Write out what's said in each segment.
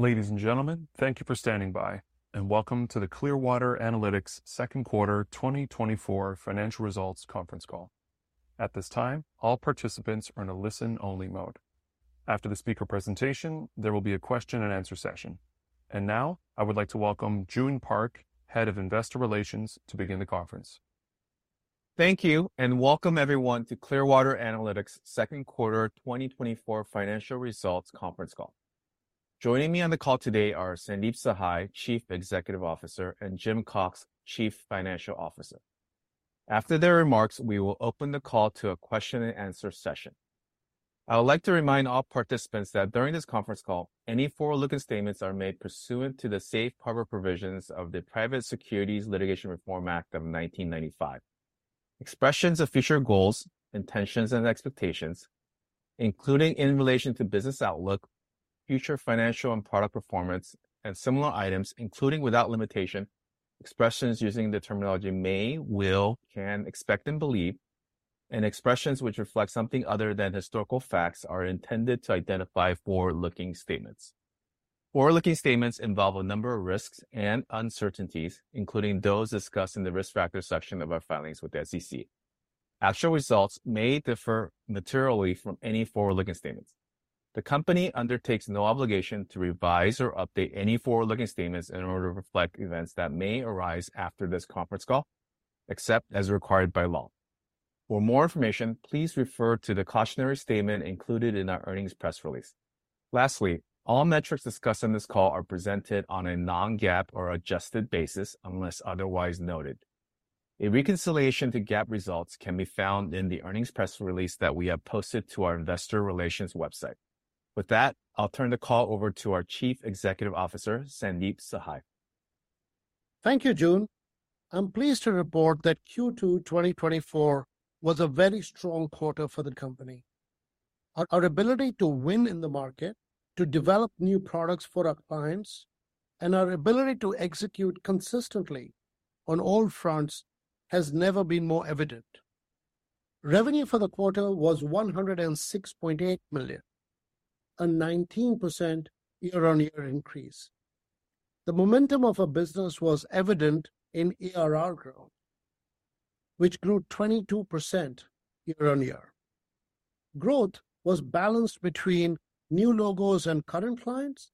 Ladies and gentlemen, thank you for standing by, and welcome to the Clearwater Analytics second quarter 2024 financial results conference call. At this time, all participants are in a listen-only mode. After the speaker presentation, there will be a question and answer session. And now, I would like to welcome June Park, Head of Investor Relations, to begin the conference. Thank you, and welcome everyone to Clearwater Analytics second quarter 2024 financial results conference call. Joining me on the call today are Sandeep Sahai, Chief Executive Officer, and Jim Cox, Chief Financial Officer. After their remarks, we will open the call to a question and answer session. I would like to remind all participants that during this conference call, any forward-looking statements are made pursuant to the Safe Harbor Provisions of the Private Securities Litigation Reform Act of 1995. Expressions of future goals, intentions, and expectations, including in relation to business outlook, future financial and product performance, and similar items, including without limitation, expressions using the terminology may, will, can, expect and believe, and expressions which reflect something other than historical facts are intended to identify forward-looking statements. Forward-looking statements involve a number of risks and uncertainties, including those discussed in the risk factors section of our filings with the SEC. Actual results may differ materially from any forward-looking statements. The company undertakes no obligation to revise or update any forward-looking statements in order to reflect events that may arise after this conference call, except as required by law. For more information, please refer to the cautionary statement included in our earnings press release. Lastly, all metrics discussed on this call are presented on a non-GAAP or adjusted basis unless otherwise noted. A reconciliation to GAAP results can be found in the earnings press release that we have posted to our investor relations website. With that, I'll turn the call over to our Chief Executive Officer, Sandeep Sahai. Thank you, June. I'm pleased to report that Q2 2024 was a very strong quarter for the company. Our ability to win in the market, to develop new products for our clients, and our ability to execute consistently on all fronts has never been more evident. Revenue for the quarter was $106.8 million, a 19% year-on-year increase. The momentum of our business was evident in ARR growth, which grew 22% year-on-year. Growth was balanced between new logos and current clients,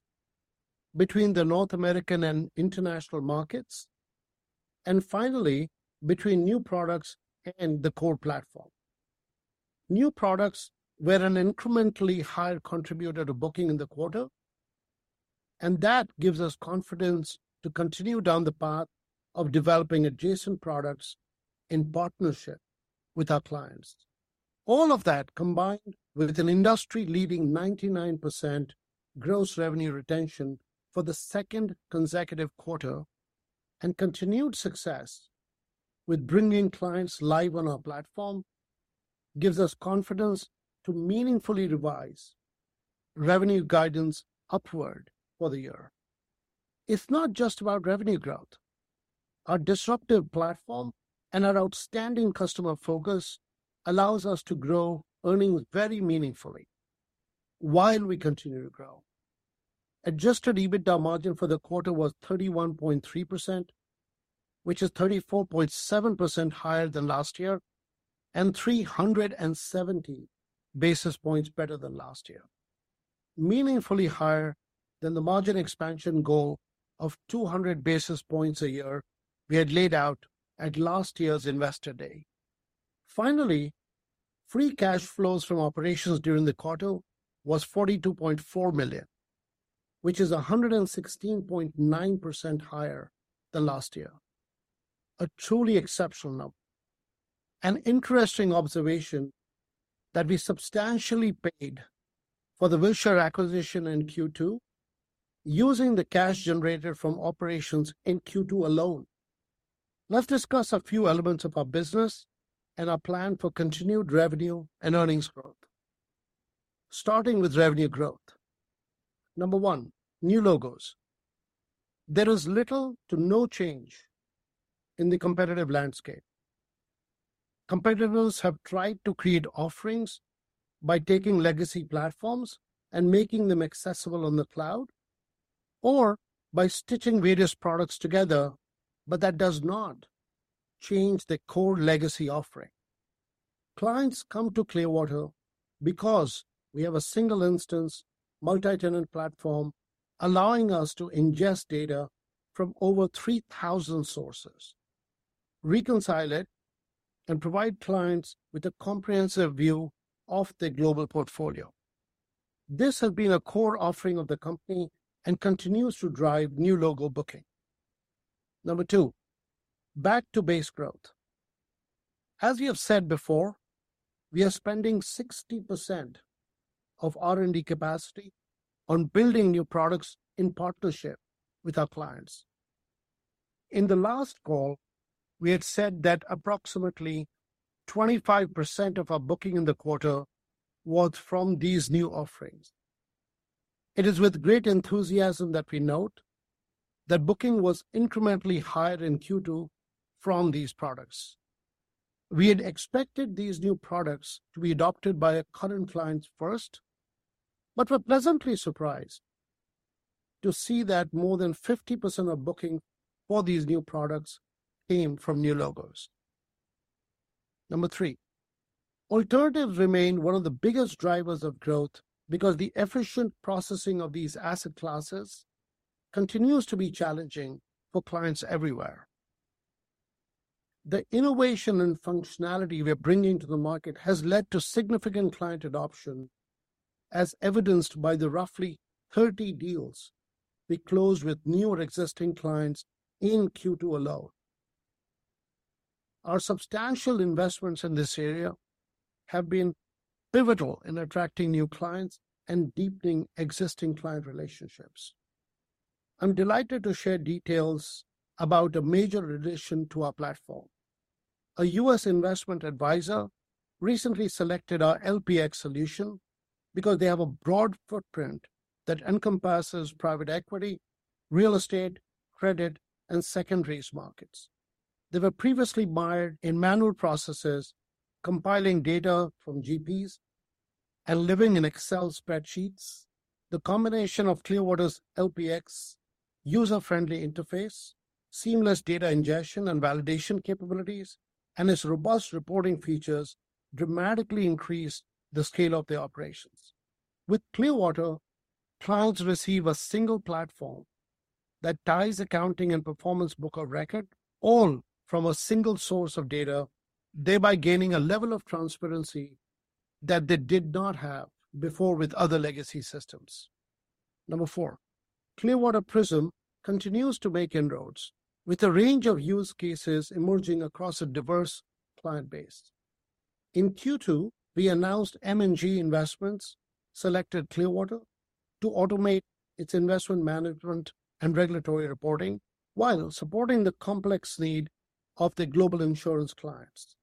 between the North American and international markets, and finally, between new products and the core platform. New products were an incrementally higher contributor to booking in the quarter, and that gives us confidence to continue down the path of developing adjacent products in partnership with our clients. All of that, combined with an industry-leading 99% gross revenue retention for the second consecutive quarter and continued success with bringing clients live on our platform, gives us confidence to meaningfully revise revenue guidance upward for the year. It's not just about revenue growth. Our disruptive platform and our outstanding customer focus allows us to grow earnings very meaningfully while we continue to grow. Adjusted EBITDA margin for the quarter was 31.3%, which is 34.7% higher than last year, and 370 basis points better than last year. Meaningfully higher than the margin expansion goal of 200 basis points a year we had laid out at last year's Investor Day. Finally, free cash flows from operations during the quarter was $42.4 million, which is 116.9% higher than last year. A truly exceptional number. An interesting observation that we substantially paid for the Wilshire acquisition in Q2 using the cash generated from operations in Q2 alone. Let's discuss a few elements of our business and our plan for continued revenue and earnings growth. Starting with revenue growth. Number one, new logos. There is little to no change in the competitive landscape. Competitors have tried to create offerings by taking legacy platforms and making them accessible on the cloud or by stitching various products together, but that does not change the core legacy offering. Clients come to Clearwater because we have a single-instance multi-tenant platform, allowing us to ingest data from over 3,000 sources, reconcile it, and provide clients with a comprehensive view of their global portfolio. This has been a core offering of the company and continues to drive new logo booking. Number two, back to base growth. As we have said before, we are spending 60% of R&D capacity on building new products in partnership with our clients. In the last call, we had said that approximately 25% of our booking in the quarter was from these new offerings. It is with great enthusiasm that we note that booking was incrementally higher in Q2 from these products. We had expected these new products to be adopted by our current clients first, but were pleasantly surprised to see that more than 50% of booking for these new products came from new logos. Number three, alternatives remain one of the biggest drivers of growth because the efficient processing of these asset classes continues to be challenging for clients everywhere. The innovation and functionality we are bringing to the market has led to significant client adoption, as evidenced by the roughly 30 deals we closed with new or existing clients in Q2 alone. Our substantial investments in this area have been pivotal in attracting new clients and deepening existing client relationships. I'm delighted to share details about a major addition to our platform. A U.S. investment advisor recently selected our LPX solution because they have a broad footprint that encompasses private equity, real estate, credit, and secondaries markets. They were previously mired in manual processes, compiling data from GPs and living in Excel spreadsheets. The combination of Clearwater's LPX user-friendly interface, seamless data ingestion and validation capabilities, and its robust reporting features dramatically increased the scale of their operations. With Clearwater, clients receive a single platform that ties accounting and performance book of record, all from a single source of data, thereby gaining a level of transparency that they did not have before with other legacy systems. Number four, Clearwater Prism continues to make inroads, with a range of use cases emerging across a diverse client base. In Q2, we announced M&G Investments selected Clearwater to automate its investment management and regulatory reporting, while supporting the complex need of the global insurance clients.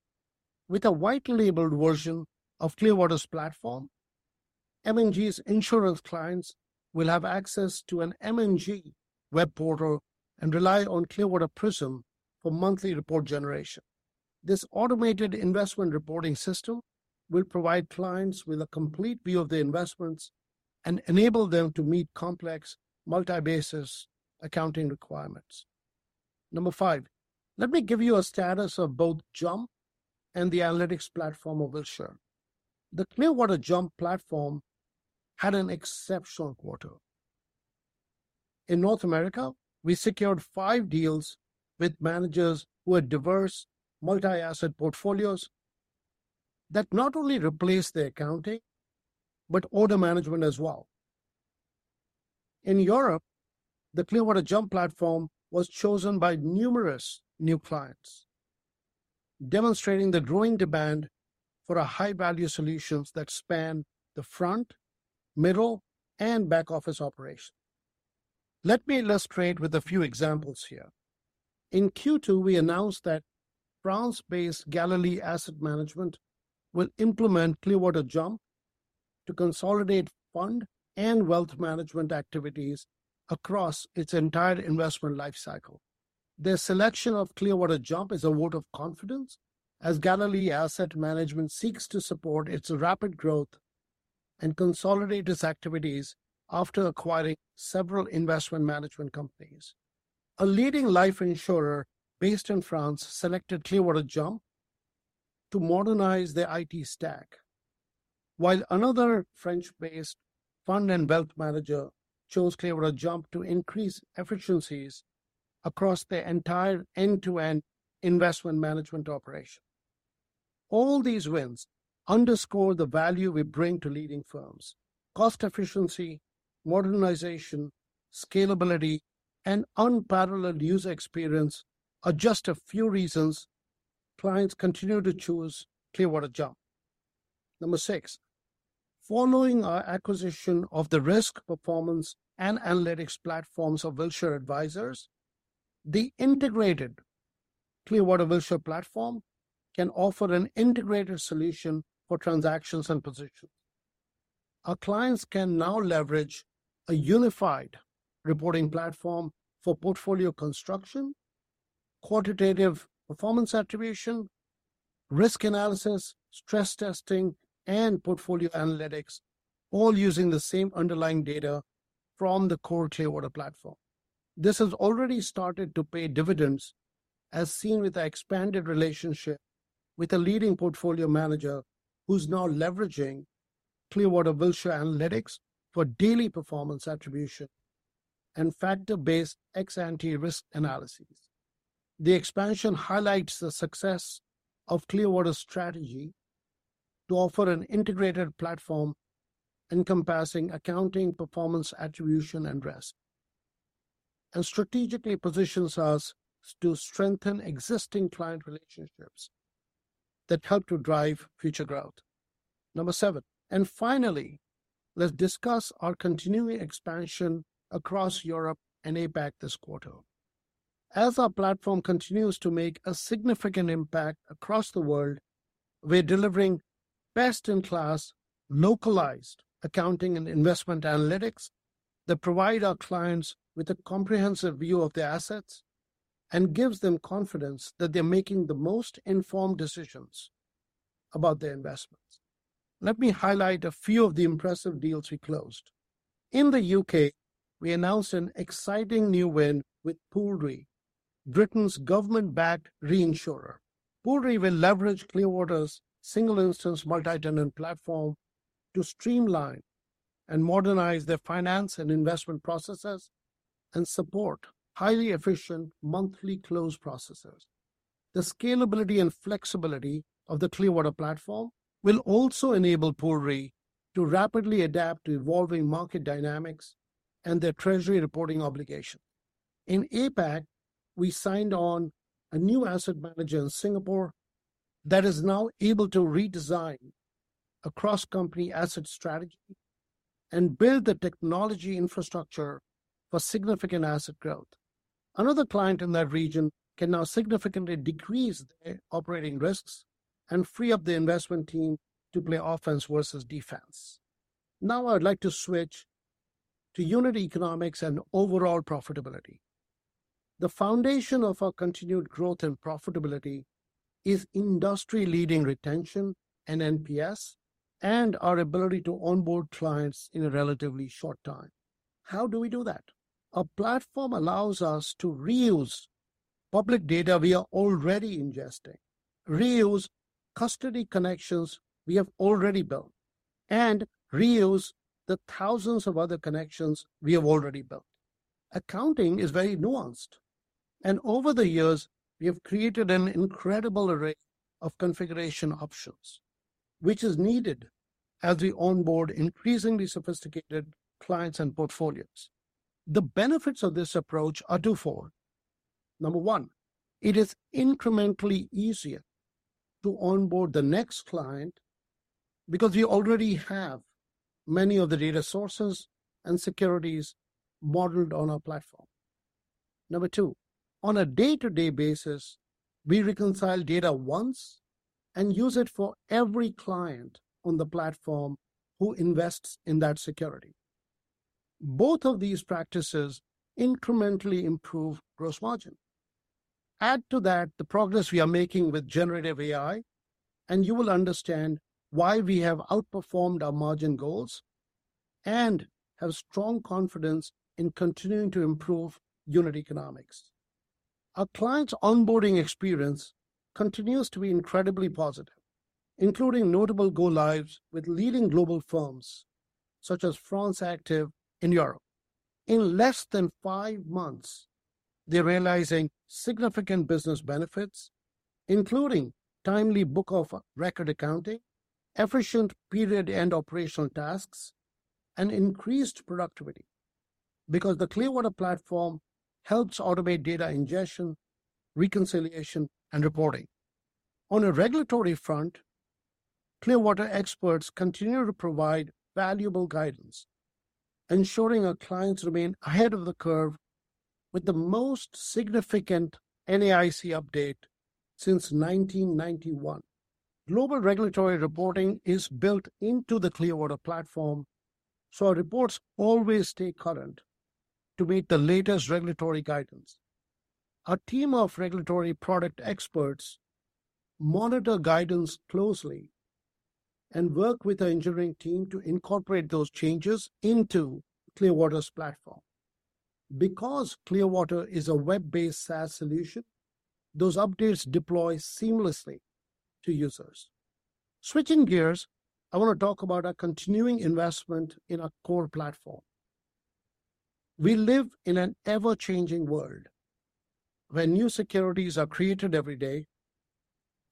With a white-labeled version of Clearwater's platform, M&G's insurance clients will have access to an M&G web portal and rely on Clearwater Prism for monthly report generation. This automated investment reporting system will provide clients with a complete view of their investments and enable them to meet complex, multi-basis accounting requirements. Number five, let me give you a status of both JUMP and the analytics platform of Wilshire. The Clearwater JUMP platform had an exceptional quarter. In North America, we secured five deals with managers who had diverse multi-asset portfolios that not only replaced their accounting, but order management as well. In Europe, the Clearwater JUMP platform was chosen by numerous new clients, demonstrating the growing demand for a high-value solutions that span the front, middle, and back-office operation. Let me illustrate with a few examples here. In Q2, we announced that France-based Galilee Asset Management will implement Clearwater JUMP to consolidate fund and wealth management activities across its entire investment life cycle. Their selection of Clearwater JUMP is a vote of confidence, as Galilee Asset Management seeks to support its rapid growth and consolidate its activities after acquiring several investment management companies. A leading life insurer based in France selected Clearwater JUMP to modernize their IT stack, while another French-based fund and wealth manager chose Clearwater JUMP to increase efficiencies across the entire end-to-end investment management operation. All these wins underscore the value we bring to leading firms. Cost efficiency, modernization, scalability, and unparalleled user experience are just a few reasons clients continue to choose Clearwater JUMP. Number six, following our acquisition of the risk, performance, and analytics platforms of Wilshire Advisors, the integrated Clearwater Wilshire platform can offer an integrated solution for transactions and positions. Our clients can now leverage a unified reporting platform for portfolio construction, quantitative performance attribution, risk analysis, stress testing, and portfolio analytics, all using the same underlying data from the core Clearwater platform. This has already started to pay dividends, as seen with our expanded relationship with a leading portfolio manager who's now leveraging Clearwater Wilshire analytics for daily performance attribution and factor-based ex-ante risk analyses. The expansion highlights the success of Clearwater's strategy to offer an integrated platform encompassing accounting, performance, attribution, and risk, and strategically positions us to strengthen existing client relationships that help to drive future growth. Number seven, and finally, let's discuss our continuing expansion across Europe and APAC this quarter. As our platform continues to make a significant impact across the world, we're delivering best-in-class localized accounting and investment analytics that provide our clients with a comprehensive view of their assets, and gives them confidence that they're making the most informed decisions about their investments. Let me highlight a few of the impressive deals we closed. In the UK, we announced an exciting new win with Pool Re, Britain's government-backed reinsurer. Pool Re will leverage Clearwater's single-instance multi-tenant platform to streamline and modernize their finance and investment processes, and support highly efficient monthly close processes. The scalability and flexibility of the Clearwater platform will also enable Pool Re to rapidly adapt to evolving market dynamics and their treasury reporting obligations. In APAC, we signed on a new asset manager in Singapore that is now able to redesign a cross-company asset strategy and build the technology infrastructure for significant asset growth. Another client in that region can now significantly decrease their operating risks and free up the investment team to play offense versus defense. Now, I'd like to switch to unit economics and overall profitability. The foundation of our continued growth and profitability is industry-leading retention and NPS, and our ability to onboard clients in a relatively short time. How do we do that? Our platform allows us to reuse public data we are already ingesting, reuse custody connections we have already built, and reuse the thousands of other connections we have already built. Accounting is very nuanced, and over the years, we have created an incredible array of configuration options, which is needed as we onboard increasingly sophisticated clients and portfolios. The benefits of this approach are two-fold. Number one, it is incrementally easier to onboard the next client because we already have many of the data sources and securities modeled on our platform. Number two, on a day-to-day basis, we reconcile data once and use it for every client on the platform who invests in that security. Both of these practices incrementally improve gross margin. Add to that, the progress we are making with generative AI, and you will understand why we have outperformed our margin goals and have strong confidence in continuing to improve unit economics. Our clients' onboarding experience continues to be incredibly positive, including notable go-lives with leading global firms, such as France Active in Europe. In less than five months, they're realizing significant business benefits, including timely book of record accounting, efficient period-end operational tasks, and increased productivity because the Clearwater platform helps automate data ingestion, reconciliation, and reporting. On a regulatory front, Clearwater experts continue to provide valuable guidance, ensuring our clients remain ahead of the curve with the most significant NAIC update since 1991. Global regulatory reporting is built into the Clearwater platform, so our reports always stay current to meet the latest regulatory guidance. Our team of regulatory product experts monitor guidance closely and work with our engineering team to incorporate those changes into Clearwater's platform. Because Clearwater is a web-based SaaS solution, those updates deploy seamlessly to users. Switching gears, I want to talk about our continuing investment in our core platform. We live in an ever-changing world, where new securities are created every day,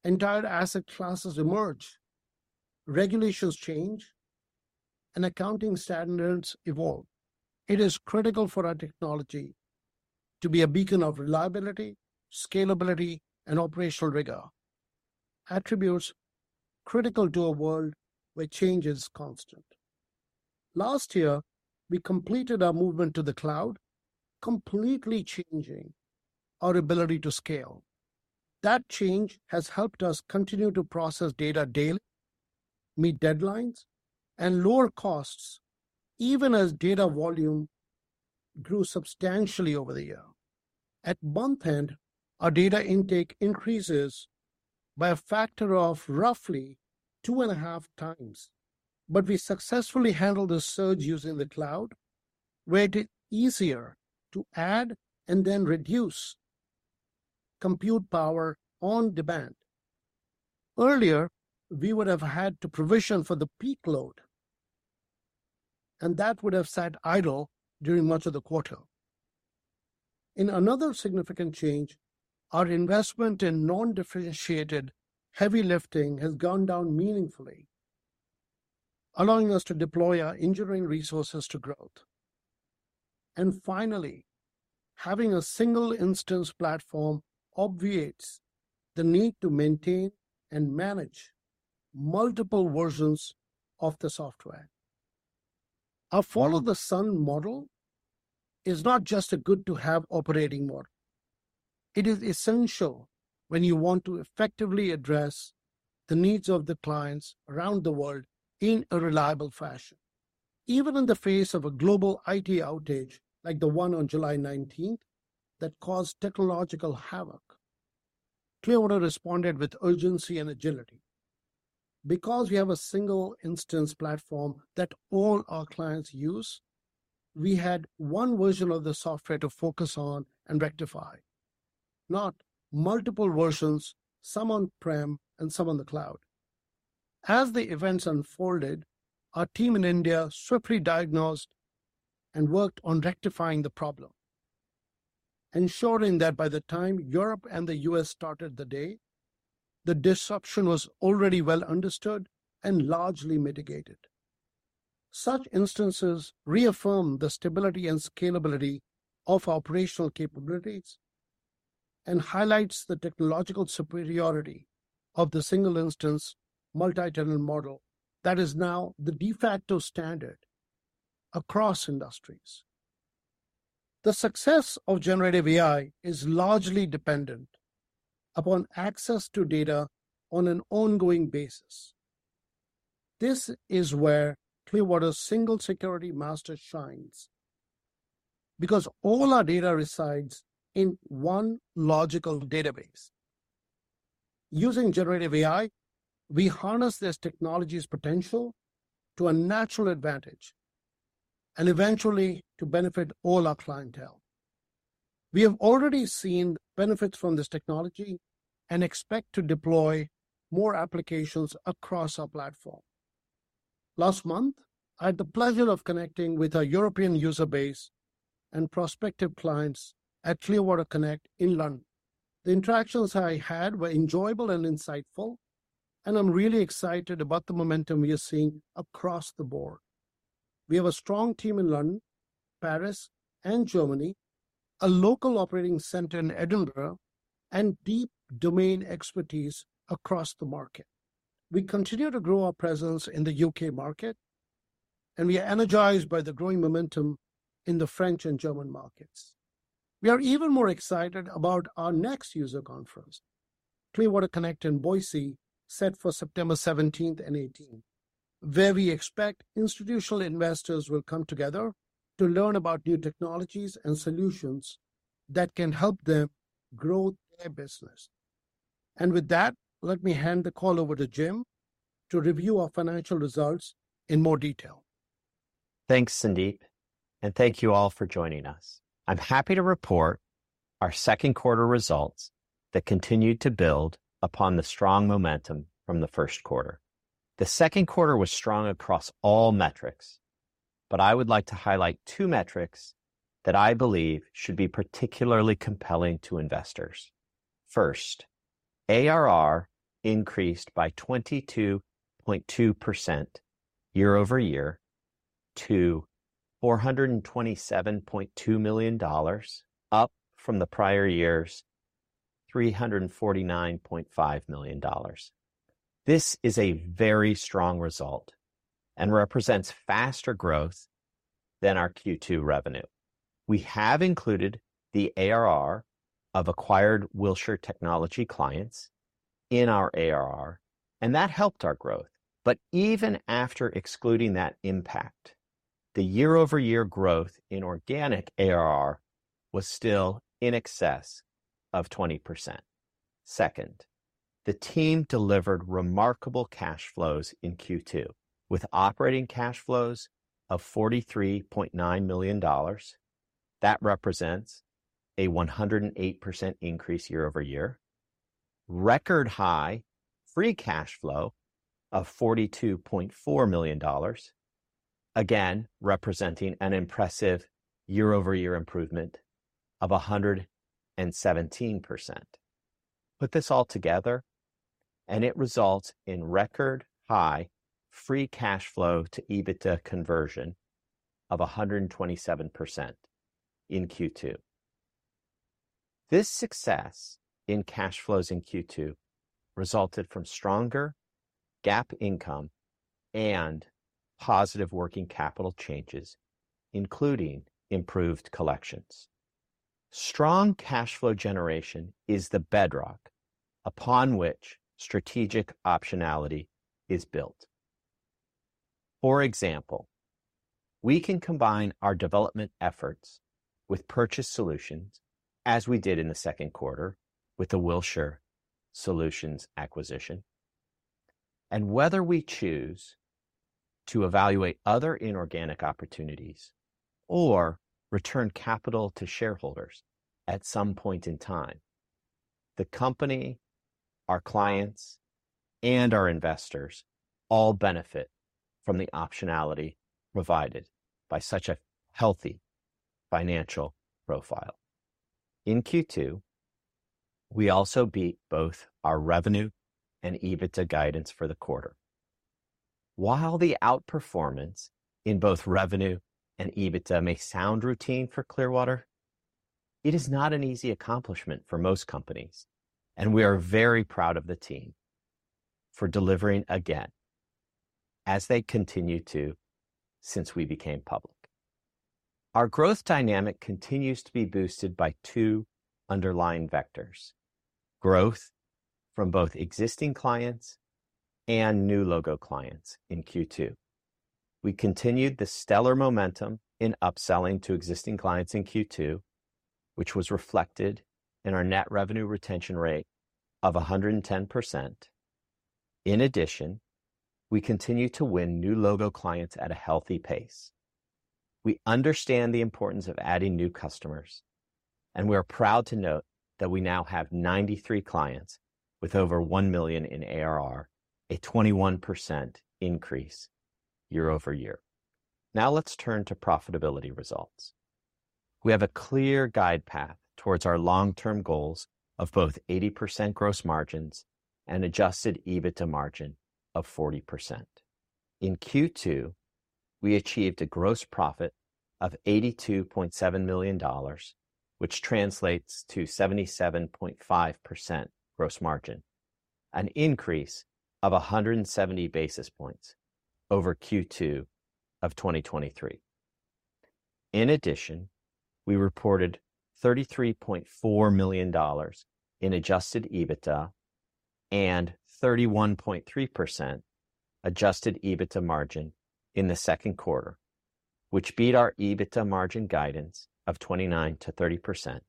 entire asset classes emerge, regulations change, and accounting standards evolve. It is critical for our technology to be a beacon of reliability, scalability, and operational rigor, attributes critical to a world where change is constant. Last year, we completed our movement to the cloud, completely changing our ability to scale. That change has helped us continue to process data daily, meet deadlines, and lower costs, even as data volume grew substantially over the year. At month-end, our data intake increases by a factor of roughly two and a half times, but we successfully handled the surge using the cloud, where it is easier to add and then reduce compute power on demand. Earlier, we would have had to provision for the peak load, and that would have sat idle during much of the quarter. In another significant change, our investment in non-differentiated heavy lifting has gone down meaningfully, allowing us to deploy our engineering resources to growth. And finally, having a single instance platform obviates the need to maintain and manage multiple versions of the software. Our follow-the-sun model is not just a good-to-have operating model. It is essential when you want to effectively address the needs of the clients around the world in a reliable fashion. Even in the face of a global IT outage, like the one on July nineteenth, that caused technological havoc, Clearwater responded with urgency and agility. Because we have a single instance platform that all our clients use, we had one version of the software to focus on and rectify, not multiple versions, some on-prem and some on the cloud. As the events unfolded, our team in India swiftly diagnosed and worked on rectifying the problem, ensuring that by the time Europe and the U.S. started the day, the disruption was already well understood and largely mitigated. Such instances reaffirm the stability and scalability of operational capabilities and highlights the technological superiority of the single-instance, multi-tenant model that is now the de facto standard across industries. The success of generative AI is largely dependent upon access to data on an ongoing basis. This is where Clearwater's Single Security Master shines, because all our data resides in one logical database. Using generative AI, we harness this technology's potential to a natural advantage and eventually to benefit all our clientele. We have already seen benefits from this technology and expect to deploy more applications across our platform. Last month, I had the pleasure of connecting with our European user base and prospective clients at Clearwater Connect in London. The interactions I had were enjoyable and insightful, and I'm really excited about the momentum we are seeing across the board. We have a strong team in London, Paris, and Germany, a local operating center in Edinburgh, and deep domain expertise across the market. We continue to grow our presence in the UK market, and we are energized by the growing momentum in the French and German markets. We are even more excited about our next user conference, Clearwater Connect in Boise, set for September seventeenth and eighteenth, where we expect institutional investors will come together to learn about new technologies and solutions that can help them grow their business. With that, let me hand the call over to Jim to review our financial results in more detail. Thanks, Sandeep, and thank you all for joining us. I'm happy to report our second quarter results that continued to build upon the strong momentum from the first quarter. The second quarter was strong across all metrics, but I would like to highlight two metrics that I believe should be particularly compelling to investors. First, ARR increased by 22.2% year-over-year to $427.2 million, up from the prior year's $349.5 million. This is a very strong result and represents faster growth than our Q2 revenue. We have included the ARR of acquired Wilshire Technology clients in our ARR, and that helped our growth. But even after excluding that impact, the year-over-year growth in organic ARR was still in excess of 20%. Second, the team delivered remarkable cash flows in Q2, with operating cash flows of $43.9 million. That represents a 108% increase year-over-year. Record-high free cash flow of $42.4 million, again, representing an impressive year-over-year improvement of 117%. Put this all together, and it results in record-high free cash flow to EBITDA conversion of 127% in Q2. This success in cash flows in Q2 resulted from stronger GAAP income and positive working capital changes, including improved collections. Strong cash flow generation is the bedrock upon which strategic optionality is built. For example, we can combine our development efforts with purchase solutions, as we did in the second quarter with the Wilshire Advisors acquisition. Whether we choose to evaluate other inorganic opportunities or return capital to shareholders at some point in time, the company, our clients, and our investors all benefit from the optionality provided by such a healthy financial profile. In Q2, we also beat both our revenue and EBITDA guidance for the quarter. While the outperformance in both revenue and EBITDA may sound routine for Clearwater, it is not an easy accomplishment for most companies, and we are very proud of the team for delivering again... as they continue to since we became public. Our growth dynamic continues to be boosted by two underlying vectors: growth from both existing clients and new logo clients in Q2. We continued the stellar momentum in upselling to existing clients in Q2, which was reflected in our net revenue retention rate of 110%. In addition, we continue to win new logo clients at a healthy pace. We understand the importance of adding new customers, and we are proud to note that we now have 93 clients with over $1 million in ARR, a 21% increase year-over-year. Now let's turn to profitability results. We have a clear guide path towards our long-term goals of both 80% gross margins and adjusted EBITDA margin of 40%. In Q2, we achieved a gross profit of $82.7 million, which translates to 77.5% gross margin, an increase of 170 basis points over Q2 of 2023. In addition, we reported $33.4 million in adjusted EBITDA and 31.3% adjusted EBITDA margin in the second quarter, which beat our EBITDA margin guidance of 29%-30%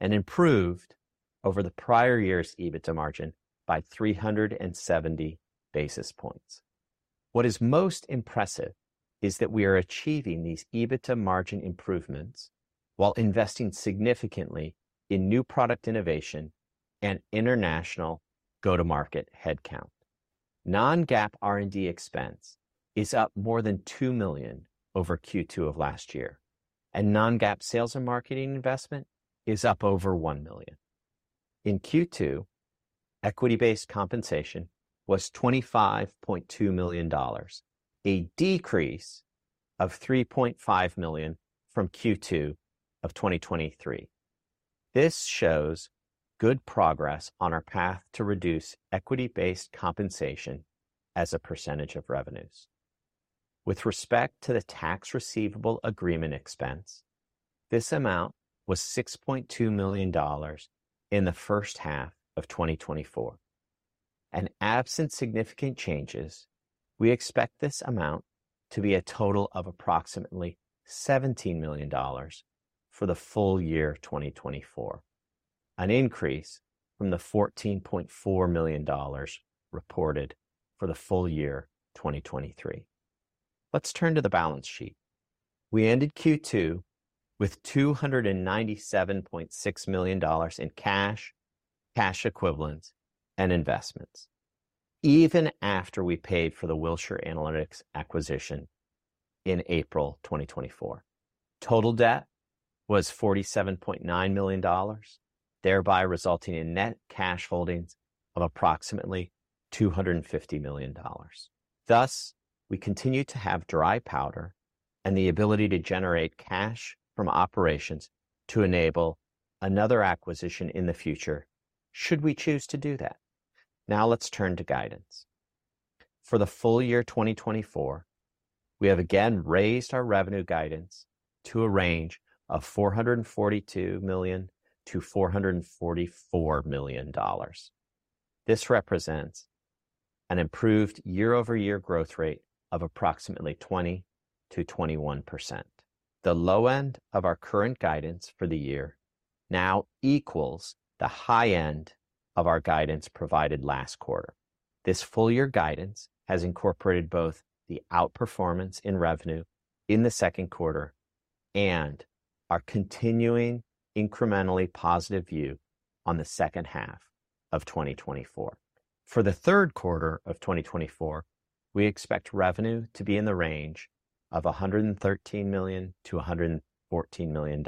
and improved over the prior year's EBITDA margin by 370 basis points. What is most impressive is that we are achieving these EBITDA margin improvements while investing significantly in new product innovation and international go-to-market headcount. Non-GAAP R&D expense is up more than $2 million over Q2 of last year, and non-GAAP sales and marketing investment is up over $1 million. In Q2, equity-based compensation was $25.2 million, a decrease of $3.5 million from Q2 of 2023. This shows good progress on our path to reduce equity-based compensation as a percentage of revenues. With respect to the tax receivable agreement expense, this amount was $6.2 million in the first half of 2024, and absent significant changes, we expect this amount to be a total of approximately $17 million for the full year of 2024, an increase from the $14.4 million reported for the full year 2023. Let's turn to the balance sheet. We ended Q2 with $297.6 million in cash, cash equivalents, and investments, even after we paid for the Wilshire Analytics acquisition in April 2024. Total debt was $47.9 million, thereby resulting in net cash holdings of approximately $250 million. Thus, we continue to have dry powder and the ability to generate cash from operations to enable another acquisition in the future, should we choose to do that. Now let's turn to guidance. For the full year 2024, we have again raised our revenue guidance to a range of $442 million-$444 million. This represents an improved year-over-year growth rate of approximately 20%-21%. The low end of our current guidance for the year now equals the high end of our guidance provided last quarter. This full year guidance has incorporated both the outperformance in revenue in the second quarter and our continuing incrementally positive view on the second half of 2024. For the third quarter of 2024, we expect revenue to be in the range of $113 million-$114 million,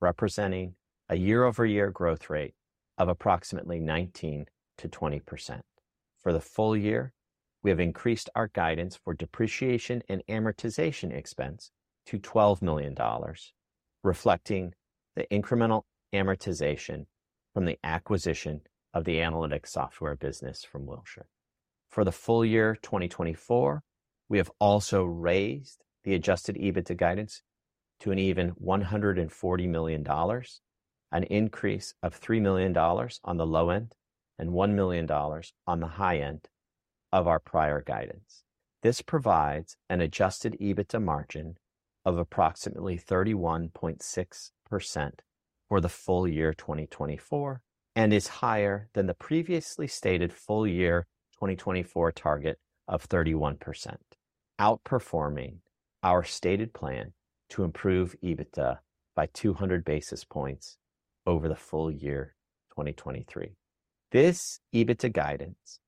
representing a year-over-year growth rate of approximately 19%-20%. For the full year, we have increased our guidance for depreciation and amortization expense to $12 million, reflecting the incremental amortization from the acquisition of the analytics software business from Wilshire. For the full year 2024, we have also raised the Adjusted EBITDA guidance to an even $140 million, an increase of $3 million on the low end and $1 million on the high end of our prior guidance. This provides an Adjusted EBITDA margin of approximately 31.6% for the full year 2024 and is higher than the previously stated full year 2024 target of 31%, outperforming our stated plan to improve EBITDA by 200 basis points over the full year 2023. This EBITDA guidance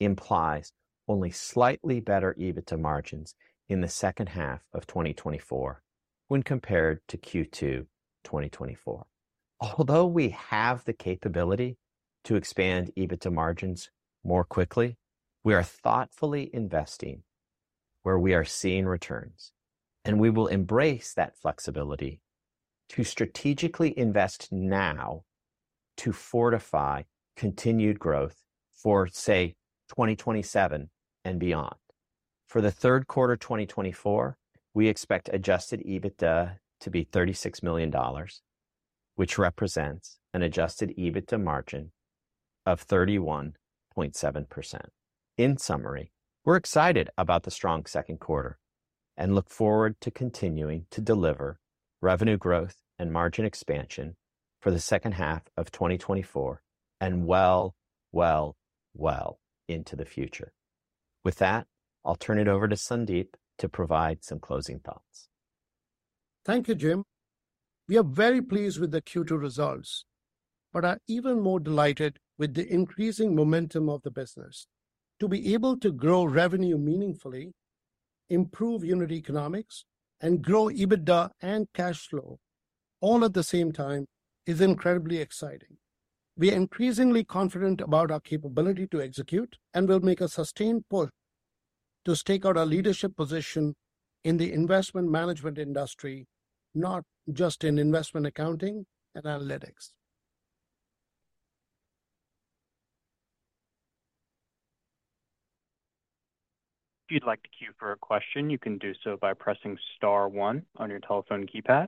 implies only slightly better EBITDA margins in the second half of 2024 when compared to Q2 2024. Although we have the capability to expand EBITDA margins more quickly, we are thoughtfully investing where we are seeing returns, and we will embrace that flexibility to strategically invest now to fortify continued growth for, say, 2027 and beyond. For the third quarter 2024, we expect Adjusted EBITDA to be $36 million, which represents an Adjusted EBITDA margin of 31.7%. In summary, we're excited about the strong second quarter and look forward to continuing to deliver revenue growth and margin expansion for the second half of 2024, and well, well, well into the future. With that, I'll turn it over to Sandeep to provide some closing thoughts. Thank you, Jim. We are very pleased with the Q2 results, but are even more delighted with the increasing momentum of the business. To be able to grow revenue meaningfully, improve unit economics, and grow EBITDA and cash flow all at the same time is incredibly exciting. We are increasingly confident about our capability to execute, and we'll make a sustained push to stake out our leadership position in the investment management industry, not just in investment accounting and analytics. If you'd like to queue for a question, you can do so by pressing star one on your telephone keypad.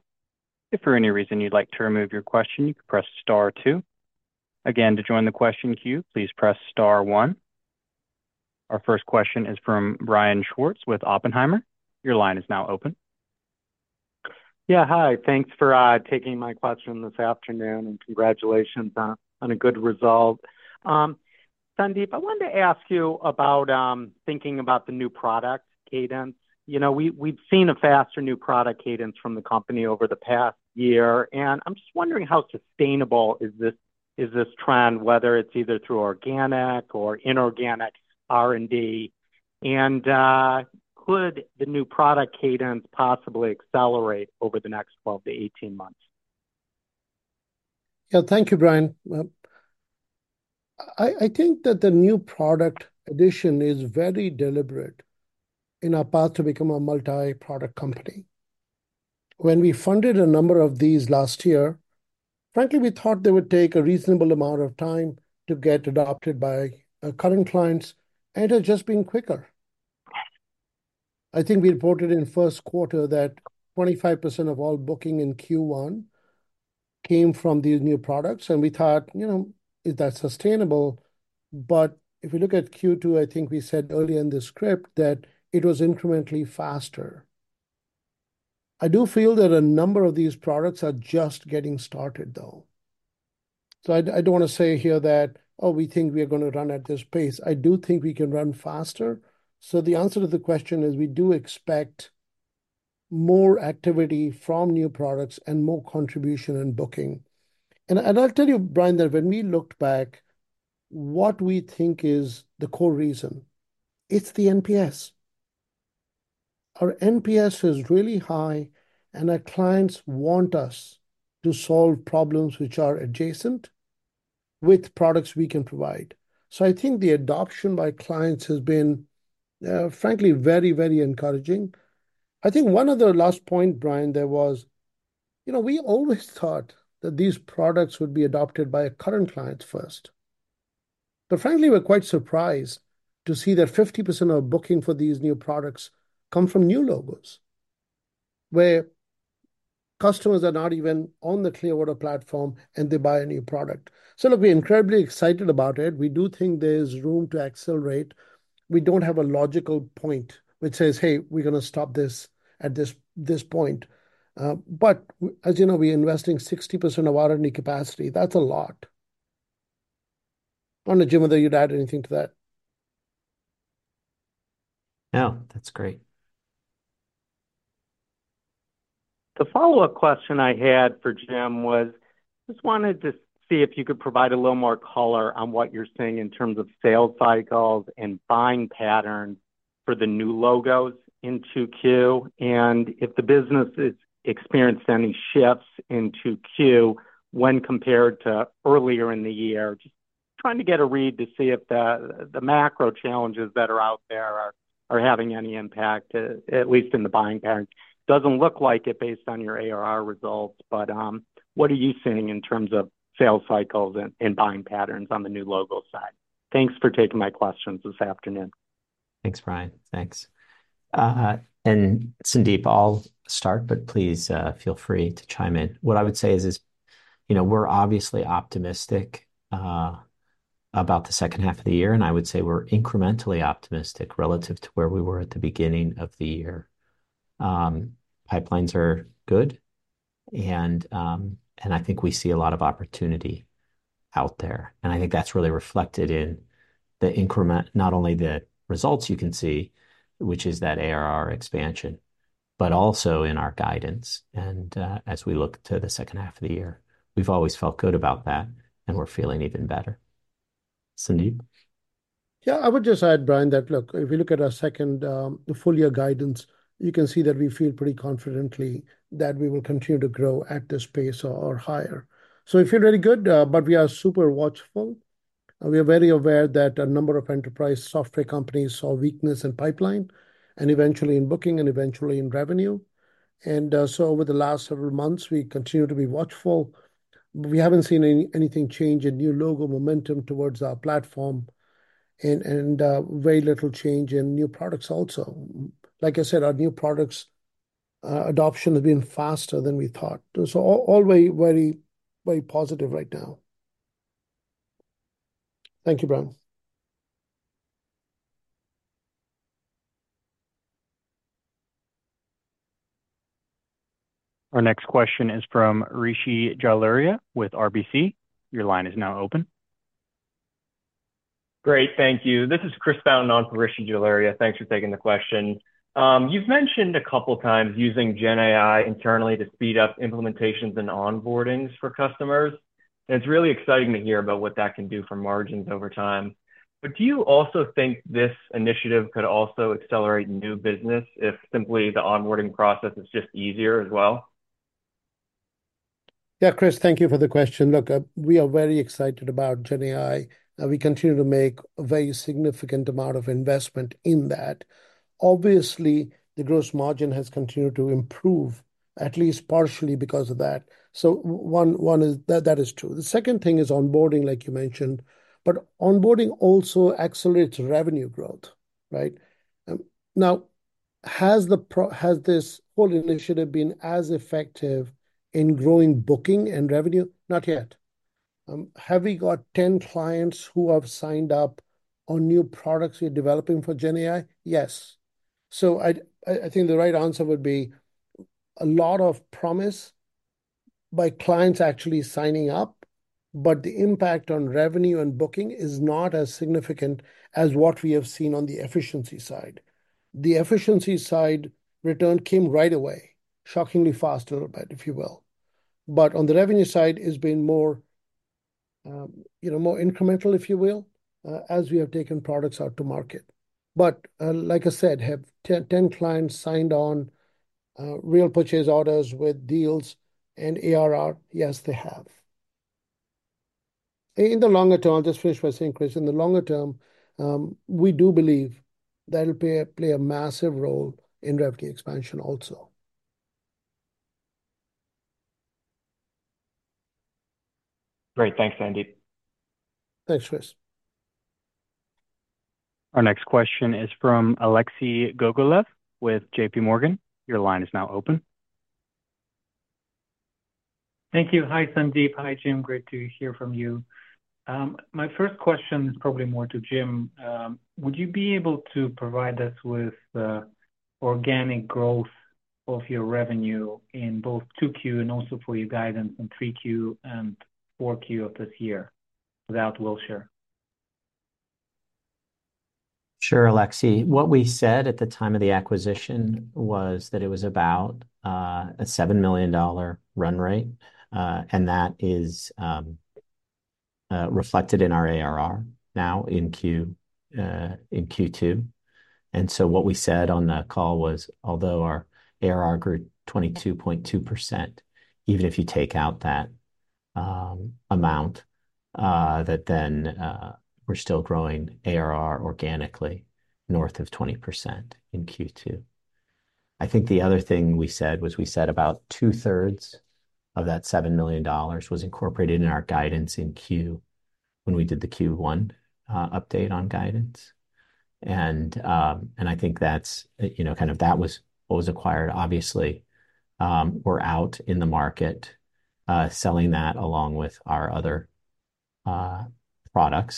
If for any reason you'd like to remove your question, you can press star two. Again, to join the question queue, please press star one. Our first question is from Brian Schwartz with Oppenheimer. Your line is now open. Yeah, hi. Thanks for taking my question this afternoon, and congratulations on a good result. Sandeep, I wanted to ask you about thinking about the new product cadence. You know, we've seen a faster new product cadence from the company over the past year, and I'm just wondering how sustainable is this trend, whether it's either through organic or inorganic R&D? And, could the new product cadence possibly accelerate over the next 12-18 months? Yeah. Thank you, Brian. I think that the new product addition is very deliberate in our path to become a multi-product company. When we funded a number of these last year, frankly, we thought they would take a reasonable amount of time to get adopted by our current clients, and it has just been quicker. I think we reported in the first quarter that 25% of all booking in Q1 came from these new products, and we thought, you know, "Is that sustainable?" But if you look at Q2, I think we said earlier in the script that it was incrementally faster. I do feel that a number of these products are just getting started, though. So I don't want to say here that, "Oh, we think we are going to run at this pace." I do think we can run faster. So the answer to the question is, we do expect more activity from new products and more contribution in booking. And, and I'll tell you, Brian, that when we looked back, what we think is the core reason, it's the NPS. Our NPS is really high, and our clients want us to solve problems which are adjacent with products we can provide. So I think the adoption by clients has been, frankly, very, very encouraging. I think one other last point, Brian, there was, you know, we always thought that these products would be adopted by our current clients first. But frankly, we're quite surprised to see that 50% of booking for these new products come from new logos, where customers are not even on the Clearwater platform, and they buy a new product. So look, we're incredibly excited about it. We do think there's room to accelerate. We don't have a logical point which says, "Hey, we're going to stop this at this, this point." But as you know, we're investing 60% of our R&D capacity. That's a lot. I don't know, Jim, whether you'd add anything to that. No, that's great. The follow-up question I had for Jim was, just wanted to see if you could provide a little more color on what you're seeing in terms of sales cycles and buying patterns for the new logos in 2Q, and if the business is experienced any shifts in 2Q when compared to earlier in the year. Just trying to get a read to see if the macro challenges that are out there are having any impact, at least in the buying pattern. Doesn't look like it, based on your ARR results, but what are you seeing in terms of sales cycles and buying patterns on the new logo side? Thanks for taking my questions this afternoon. Thanks, Brian. Thanks. And Sandeep, I'll start, but please, feel free to chime in. What I would say is, you know, we're obviously optimistic about the second half of the year, and I would say we're incrementally optimistic relative to where we were at the beginning of the year. Pipelines are good, and, and I think we see a lot of opportunity out there. And I think that's really reflected in the increment, not only the results you can see, which is that ARR expansion, but also in our guidance. And, as we look to the second half of the year, we've always felt good about that, and we're feeling even better. Sandeep? Yeah, I would just add, Brian, that look, if you look at our second, the full year guidance, you can see that we feel pretty confidently that we will continue to grow at this pace or higher. So we feel really good, but we are super watchful. We are very aware that a number of enterprise software companies saw weakness in pipeline, and eventually in booking, and eventually in revenue. And so over the last several months, we continue to be watchful. We haven't seen anything change in new logo momentum towards our platform and, and very little change in new products also. Like I said, our new products adoption has been faster than we thought. So all, all very, very positive right now. Thank you, Brian. Our next question is from Rishi Jalaria with RBC. Your line is now open. Great, thank you. This is Chris Fountain on for Rishi Jalaria. Thanks for taking the question. You've mentioned a couple times using GenAI internally to speed up implementations and onboardings for customers, and it's really exciting to hear about what that can do for margins over time. But do you also think this initiative could also accelerate new business if simply the onboarding process is just easier as well? Yeah, Chris, thank you for the question. Look, we are very excited about GenAI, and we continue to make a very significant amount of investment in that. Obviously, the gross margin has continued to improve, at least partially because of that. So one is that is true. The second thing is onboarding, like you mentioned, but onboarding also accelerates revenue growth, right? Now, has this whole initiative been as effective in growing booking and revenue? Not yet. Have we got 10 clients who have signed up on new products we're developing for GenAI? Yes. So I think the right answer would be a lot of promise by clients actually signing up, but the impact on revenue and booking is not as significant as what we have seen on the efficiency side. The efficiency side return came right away, shockingly fast, a little bit, if you will. But on the revenue side, it's been more, you know, more incremental, if you will, as we have taken products out to market. But, like I said, have 10, 10 clients signed on, real purchase orders with deals and ARR? Yes, they have. In the longer term, I'll just finish what I was saying, Chris. In the longer term, we do believe that'll play, play a massive role in revenue expansion also. Great. Thanks, Sandeep. Thanks, Chris. Our next question is from Alexei Gogolev with JPMorgan. Your line is now open. Thank you. Hi, Sandeep. Hi, Jim. Great to hear from you. My first question is probably more to Jim. Would you be able to provide us with the organic growth of your revenue in both 2Q and also for your guidance in 3Q and 4Q of this year, without Wilshire? Sure, Alexei. What we said at the time of the acquisition was that it was about a $7 million run rate, and that is reflected in our ARR now in Q2. And so what we said on the call was, although our ARR grew 22.2%, even if you take out that amount, that then we're still growing ARR organically north of 20% in Q2. I think the other thing we said was, we said about two-thirds of that $7 million was incorporated in our guidance in Q when we did the Q1 update on guidance. And I think that's, you know, kind of that was what was acquired. Obviously, we're out in the market, selling that along with our other products,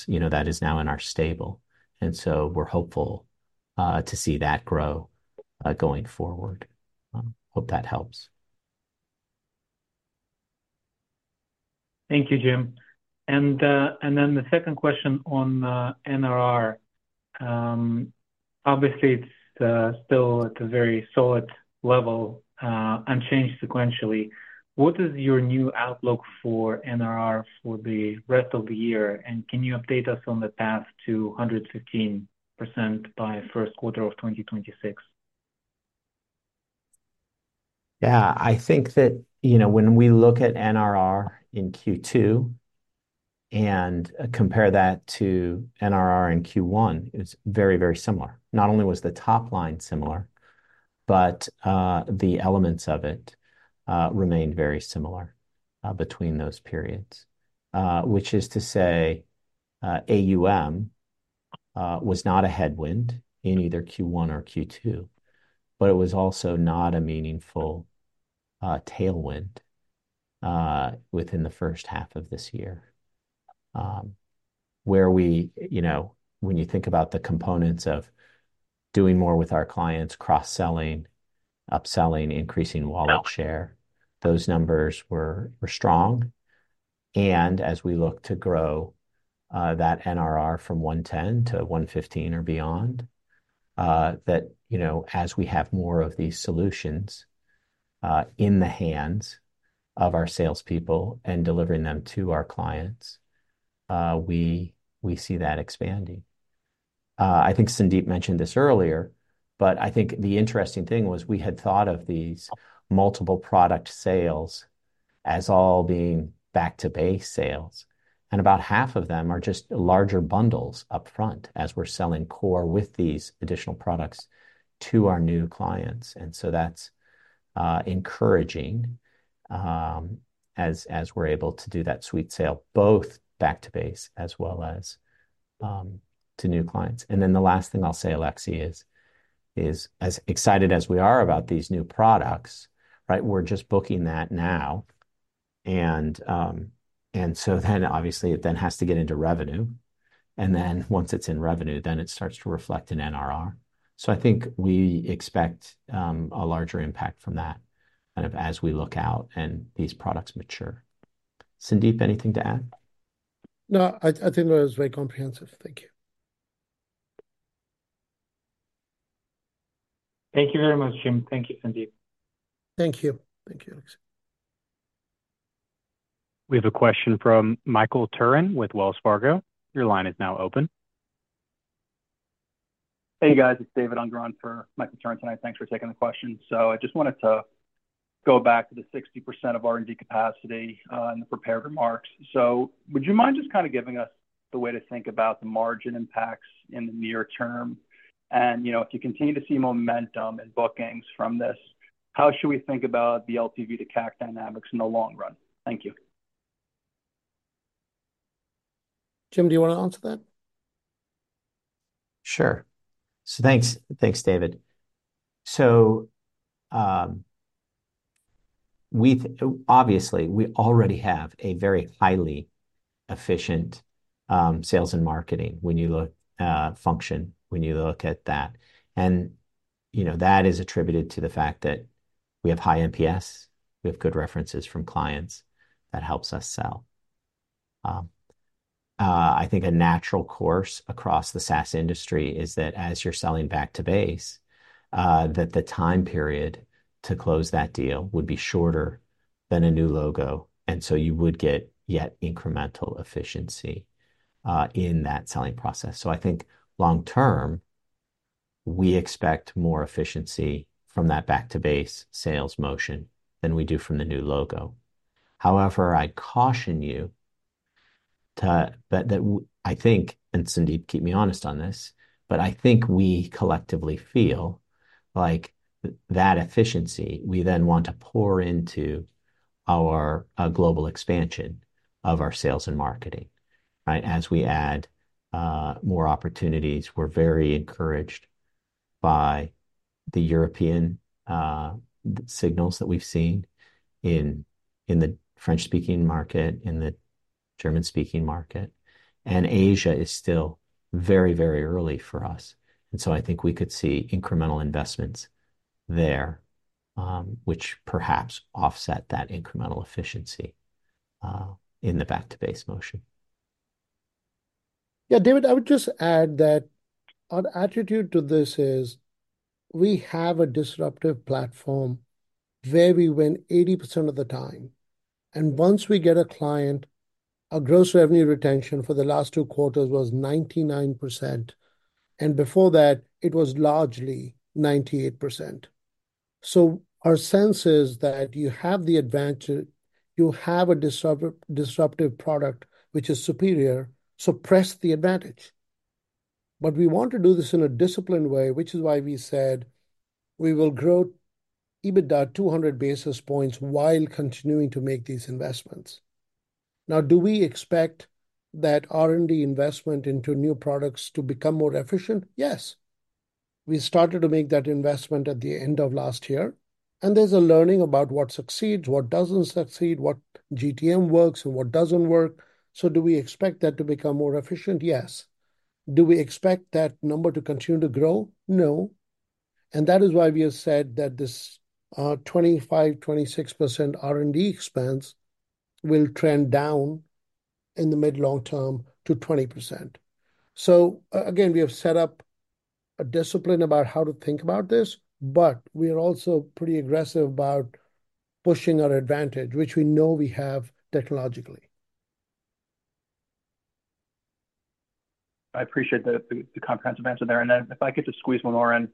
you know, that is now in our stable, and so we're hopeful to see that grow going forward. Hope that helps. Thank you, Jim. And, and then the second question on NRR. Obviously, it's still at a very solid level, unchanged sequentially. What is your new outlook for NRR for the rest of the year, and can you update us on the path to 115% by first quarter of 2026? Yeah. I think that, you know, when we look at NRR in Q2 and compare that to NRR in Q1, it's very, very similar. Not only was the top line similar, but the elements of it remained very similar between those periods. Which is to say, AUM was not a headwind in either Q1 or Q2, but it was also not a meaningful tailwind within the first half of this year. Where we—you know, when you think about the components of doing more with our clients, cross-selling, upselling, increasing wallet share, those numbers were strong. As we look to grow, that NRR from 110 to 115 or beyond, that, you know, as we have more of these solutions, in the hands of our salespeople and delivering them to our clients, we, we see that expanding. I think Sandeep mentioned this earlier, but I think the interesting thing was we had thought of these multiple product sales as all being back-to-base sales, and about half of them are just larger bundles up front as we're selling core with these additional products to our new clients. And so that's encouraging, as we're able to do that sweet sale, both back to base as well as to new clients. And then the last thing I'll say, Alexei, is as excited as we are about these new products, right, we're just booking that now. And so then obviously it has to get into revenue, and then once it's in revenue, then it starts to reflect in NRR. So I think we expect a larger impact from that kind of as we look out and these products mature. Sandeep, anything to add? No, I think that was very comprehensive. Thank you. Thank you very much, Jim. Thank you, Sandeep. Thank you. Thank you, Alexei. We have a question from Michael Turrin with Wells Fargo. Your line is now open. Hey, guys, it's David Ungrund for Michael Turrin tonight. Thanks for taking the question. So I just wanted to go back to the 60% of R&D capacity in the prepared remarks. So would you mind just kind of giving us the way to think about the margin impacts in the near term? And, you know, if you continue to see momentum in bookings from this, how should we think about the LTV to CAC dynamics in the long run? Thank you. Jim, do you want to answer that? Sure. So thanks. Thanks, David. So, obviously, we already have a very highly efficient, sales and marketing when you look, function, when you look at that. And, you know, that is attributed to the fact that we have high NPS, we have good references from clients. That helps us sell. I think a natural course across the SaaS industry is that as you're selling back to base, that the time period to close that deal would be shorter than a new logo, and so you would get yet incremental efficiency, in that selling process. So I think long term, we expect more efficiency from that back-to-base sales motion than we do from the new logo. However, I caution you to that. I think, and Sandeep, keep me honest on this, but I think we collectively feel like that efficiency, we then want to pour into our global expansion of our sales and marketing, right? As we add more opportunities, we're very encouraged by the European signals that we've seen in the French-speaking market, in the German-speaking market, and Asia is still very, very early for us, and so I think we could see incremental investments there, which perhaps offset that incremental efficiency in the back-to-base motion. Yeah, David, I would just add that our attitude to this is, we have a disruptive platform where we win 80% of the time, and once we get a client, our gross revenue retention for the last two quarters was 99%, and before that, it was largely 98%. So our sense is that you have the advantage, you have a disruptive product, which is superior, so press the advantage. But we want to do this in a disciplined way, which is why we said we will grow EBITDA 200 basis points while continuing to make these investments. Now, do we expect that R&D investment into new products to become more efficient? Yes. We started to make that investment at the end of last year, and there's a learning about what succeeds, what doesn't succeed, what GTM works and what doesn't work. So do we expect that to become more efficient? Yes. Do we expect that number to continue to grow? No. And that is why we have said that this 25%-26% R&D expense will trend down in the mid long term to 20%. So, again, we have set up a discipline about how to think about this, but we are also pretty aggressive about pushing our advantage, which we know we have technologically. I appreciate the comprehensive answer there. And then if I could just squeeze one more in,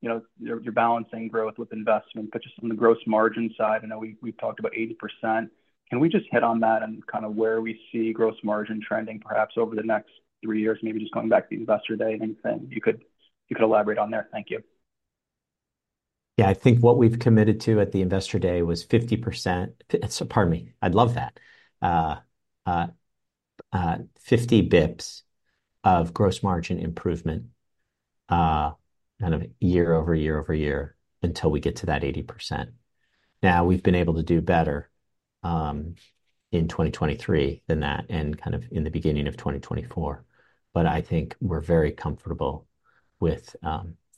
you know, you're balancing growth with investment, but just on the gross margin side, I know we, we've talked about 80%. Can we just hit on that and kind of where we see gross margin trending, perhaps over the next three years? Maybe just going back to the Investor Day, anything you could elaborate on there. Thank you. Yeah. I think what we've committed to at the Investor Day was 50%--Pardon me, I'd love that. 50 bips of gross margin improvement, kind of year over year over year, until we get to that 80%. Now, we've been able to do better in 2023 than that and kind of in the beginning of 2024, but I think we're very comfortable with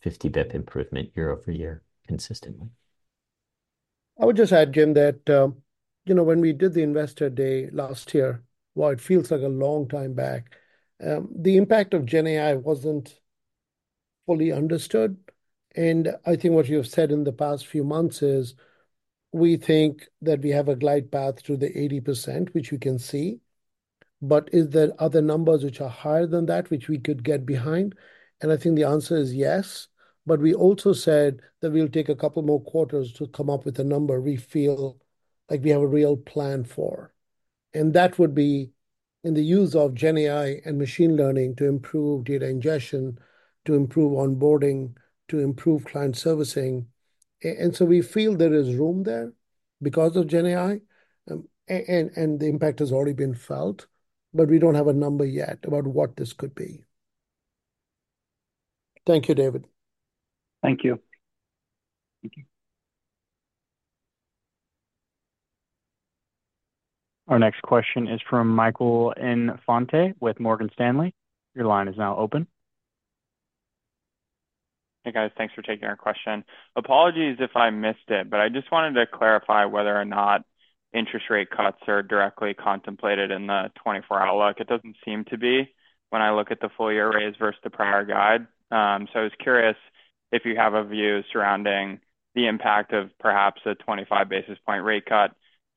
50 bips improvement year over year, consistently. I would just add, Jim, that, you know, when we did the Investor Day last year, while it feels like a long time back, the impact of GenAI wasn't fully understood, and I think what you have said in the past few months is, we think that we have a glide path to the 80%, which we can see. But is there other numbers which are higher than that which we could get behind? And I think the answer is yes. But we also said that we'll take a couple more quarters to come up with a number we feel like we have a real plan for. And that would be in the use of GenAI and machine learning to improve data ingestion, to improve onboarding, to improve client servicing. So we feel there is room there because of GenAI, and the impact has already been felt, but we don't have a number yet about what this could be. Thank you, David. Thank you. Thank you. Our next question is from Michael Infante with Morgan Stanley. Your line is now open. Hey, guys. Thanks for taking our question. Apologies if I missed it, but I just wanted to clarify whether or not interest rate cuts are directly contemplated in the 2024 outlook. It doesn't seem to be when I look at the full year rates versus the prior guide. So I was curious if you have a view surrounding the impact of perhaps a 25 basis point rate cut,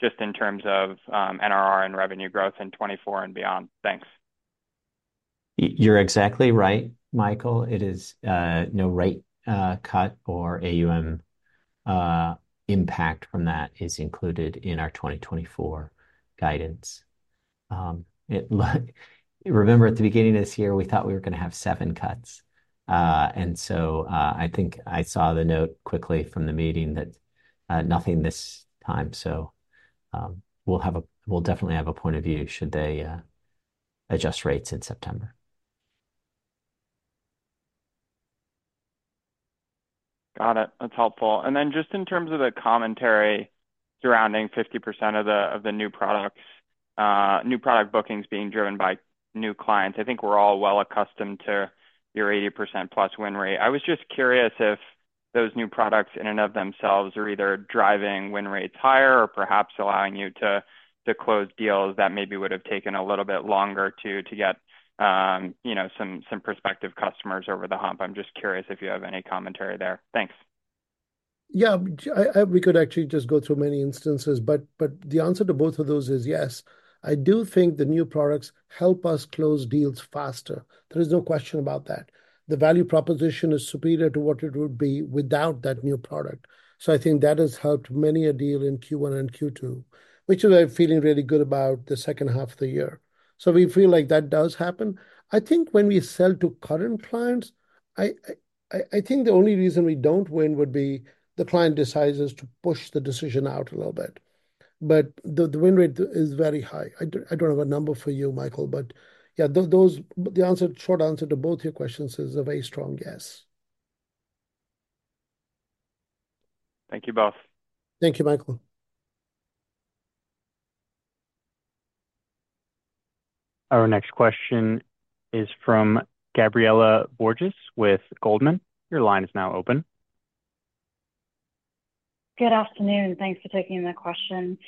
just in terms of, NRR and revenue growth in 2024 and beyond. Thanks. You're exactly right, Michael. It is no rate cut or AUM impact from that is included in our 2024 guidance. Remember at the beginning of this year, we thought we were gonna have seven cuts. And so, I think I saw the note quickly from the meeting that nothing this time, so we'll have a... We'll definitely have a point of view should they adjust rates in September. Got it. That's helpful. And then just in terms of the commentary surrounding 50% of the, of the new products, new product bookings being driven by new clients, I think we're all well accustomed to your 80%+ win rate. I was just curious if those new products, in and of themselves, are either driving win rates higher or perhaps allowing you to, to close deals that maybe would have taken a little bit longer to, to get, you know, some, some prospective customers over the hump. I'm just curious if you have any commentary there. Thanks. Yeah, we could actually just go through many instances, but the answer to both of those is yes. I do think the new products help us close deals faster. There is no question about that. The value proposition is superior to what it would be without that new product, so I think that has helped many a deal in Q1 and Q2, which is why I'm feeling really good about the second half of the year. So we feel like that does happen. I think when we sell to current clients, I think the only reason we don't win would be the client decides to push the decision out a little bit. But the win rate is very high. I don't have a number for you, Michael, but yeah, those... The short answer to both your questions is a very strong yes. Thank you both. Thank you, Michael. Our next question is from Gabriela Borges with Goldman. Your line is now open. Good afternoon. Thanks for taking my question.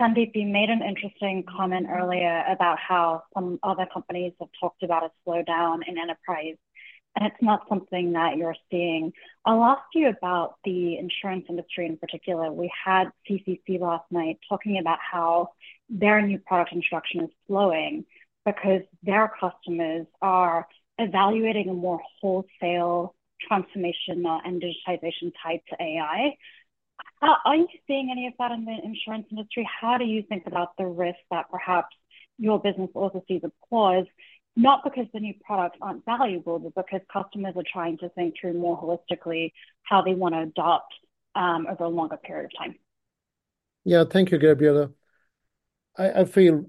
Sandeep, you made an interesting comment earlier about how some other companies have talked about a slowdown in enterprise, and it's not something that you're seeing. I'll ask you about the insurance industry in particular. We had CCC last night talking about how their new product introduction is slowing because their customers are evaluating a more wholesale transformational and digitization type to AI. Are you seeing any of that in the insurance industry? How do you think about the risk that perhaps your business also sees a pause, not because the new products aren't valuable, but because customers are trying to think through more holistically how they want to adopt over a longer period of time? Yeah. Thank you, Gabriela. I feel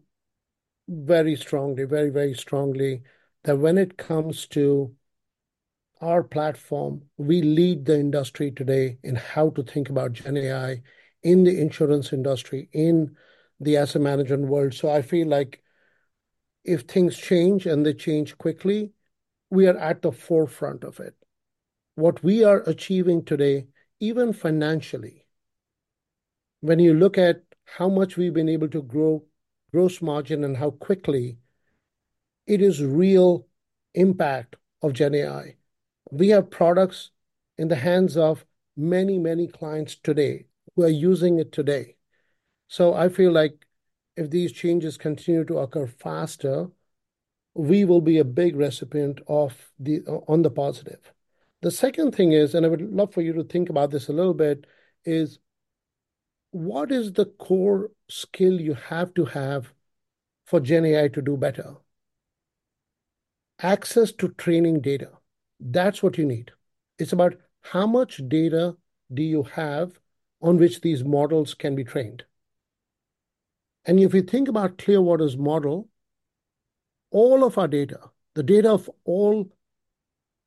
very strongly, very, very strongly, that when it comes to our platform, we lead the industry today in how to think about GenAI in the insurance industry, in the asset management world. So I feel like if things change, and they change quickly, we are at the forefront of it. What we are achieving today, even financially, when you look at how much we've been able to grow gross margin and how quickly, it is real impact of GenAI. We have products in the hands of many, many clients today, who are using it today. So I feel like if these changes continue to occur faster, we will be a big recipient of the on the positive. The second thing is, and I would love for you to think about this a little bit, is: What is the core skill you have to have for GenAI to do better? Access to training data. That's what you need. It's about how much data do you have on which these models can be trained? And if you think about Clearwater's model, all of our data, the data of all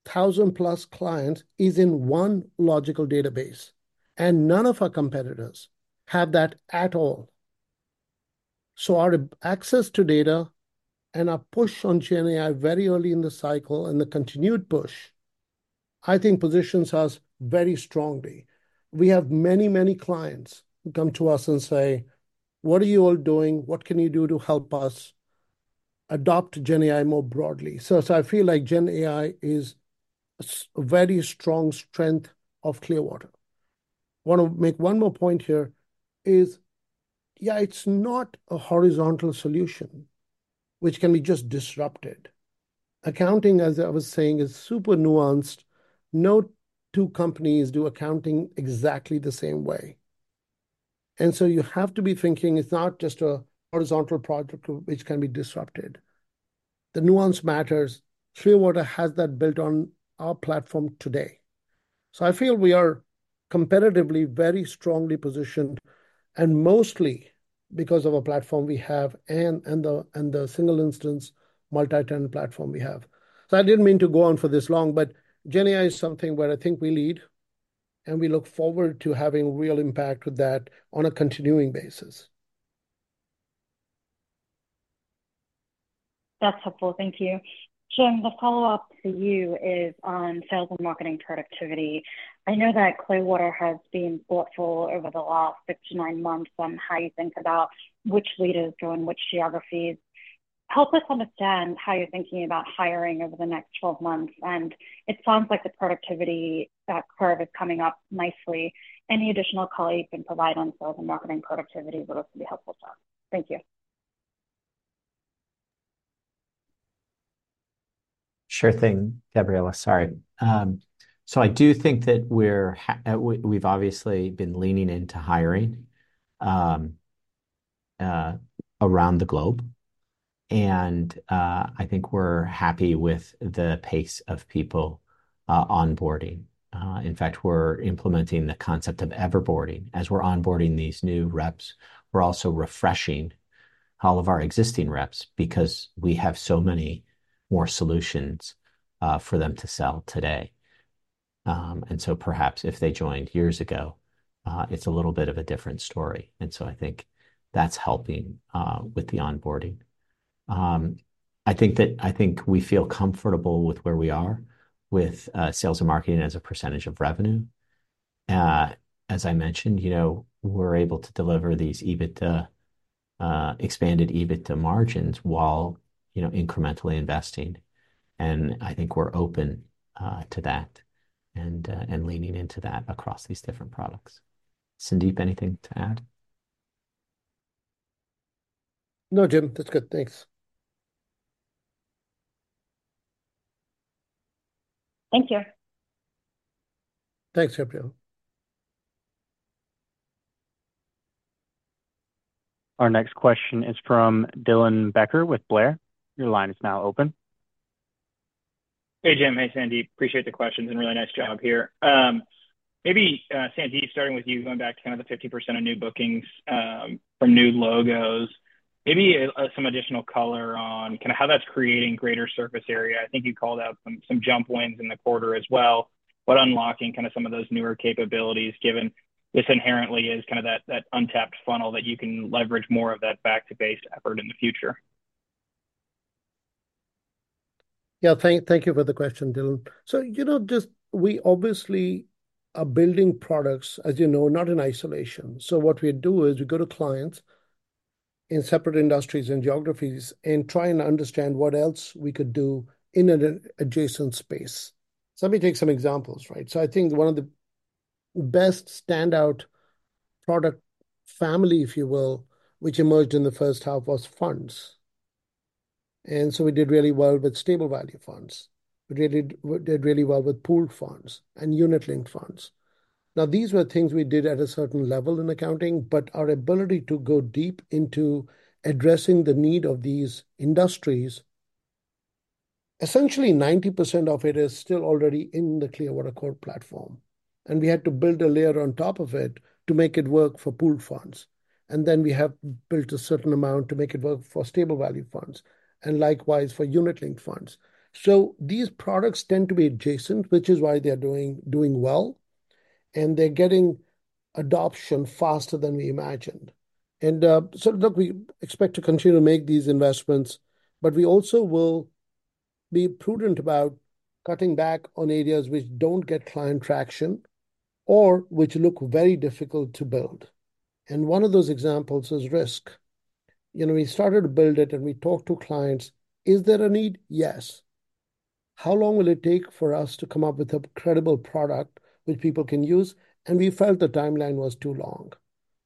1,000-plus clients, is in one logical database, and none of our competitors have that at all. So our access to data and our push on GenAI very early in the cycle, and the continued push, I think, positions us very strongly. We have many, many clients who come to us and say, "What are you all doing? What can you do to help us?... adopt GenAI more broadly. So, so I feel like GenAI is a very strong strength of Clearwater. Want to make one more point here is, yeah, it's not a horizontal solution which can be just disrupted. Accounting, as I was saying, is super nuanced. No two companies do accounting exactly the same way, and so you have to be thinking it's not just a horizontal product, which can be disrupted. The nuance matters. Clearwater has that built on our platform today. So I feel we are competitively very strongly positioned, and mostly because of a platform we have and the single instance multi-tenant platform we have. So I didn't mean to go on for this long, but GenAI is something where I think we lead, and we look forward to having real impact with that on a continuing basis. That's helpful. Thank you. Jim, the follow-up to you is on sales and marketing productivity. I know that Clearwater has been thoughtful over the last 6-9 months on how you think about which leaders join which geographies. Help us understand how you're thinking about hiring over the next 12 months, and it sounds like the productivity, that curve is coming up nicely. Any additional color you can provide on sales and marketing productivity will also be helpful, so thank you. Sure thing, Gabriela. Sorry. So I do think that we've obviously been leaning into hiring around the globe, and I think we're happy with the pace of people onboarding. In fact, we're implementing the concept of everboarding. As we're onboarding these new reps, we're also refreshing all of our existing reps because we have so many more solutions for them to sell today. And so perhaps if they joined years ago, it's a little bit of a different story, and so I think that's helping with the onboarding. I think we feel comfortable with where we are with sales and marketing as a percentage of revenue. As I mentioned, you know, we're able to deliver these EBITDA, expanded EBITDA margins while, you know, incrementally investing, and I think we're open, to that and, and leaning into that across these different products. Sandeep, anything to add? No, Jim, that's good. Thanks. Thank you. Thanks, Gabriela. Our next question is from Dylan Becker with William Blair. Your line is now open. Hey, Jim. Hey, Sandeep. Appreciate the questions and really nice job here. Maybe, Sandeep, starting with you, going back to kind of the 50% of new bookings from new logos, maybe some additional color on kind of how that's creating greater surface area. I think you called out some, some jump wins in the quarter as well, but unlocking kind of some of those newer capabilities, given this inherently is kind of that, that untapped funnel, that you can leverage more of that back to base effort in the future. Yeah, thank you for the question, Dylan. So, you know, just... we obviously are building products, as you know, not in isolation. So what we do is we go to clients in separate industries and geographies and try and understand what else we could do in an adjacent space. So let me take some examples, right? So I think one of the best standout product family, if you will, which emerged in the first half, was funds. And so we did really well with stable value funds. We really, we did really well with pooled funds and unit link funds. Now, these were things we did at a certain level in accounting, but our ability to go deep into addressing the need of these industries, essentially 90% of it is still already in the Clearwater core platform, and we had to build a layer on top of it to make it work for pooled funds. And then we have built a certain amount to make it work for stable value funds and likewise for unit link funds. So these products tend to be adjacent, which is why they're doing well, and they're getting adoption faster than we imagined. And, so, look, we expect to continue to make these investments, but we also will be prudent about cutting back on areas which don't get client traction or which look very difficult to build. And one of those examples is risk. You know, we started to build it, and we talked to clients. Is there a need? Yes. How long will it take for us to come up with a credible product which people can use? And we felt the timeline was too long.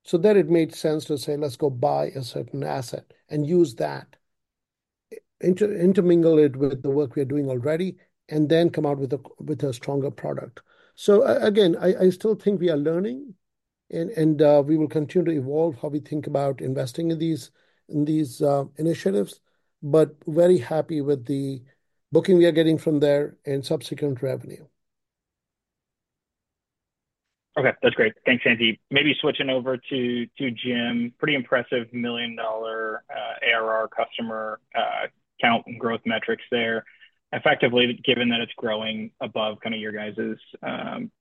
So then it made sense to say, let's go buy a certain asset and use that, intermingle it with the work we are doing already, and then come out with a stronger product. So again, I still think we are learning, and we will continue to evolve how we think about investing in these initiatives, but very happy with the booking we are getting from there and subsequent revenue. Okay, that's great. Thanks, Sandeep. Maybe switching over to, to Jim. Pretty impressive million-dollar ARR customer count and growth metrics there. Effectively, given that it's growing above kind of your guys's